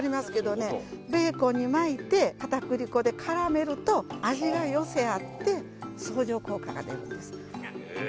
ベーコンに巻いて片栗粉で絡めると味が寄せ合って相乗効果が出るんです。